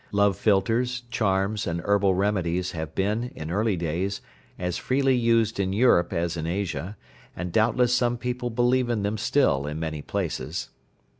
Love philters, charms, and herbal remedies have been, in early days, as freely used in Europe as in Asia, and doubtless some people believe in them still in many places.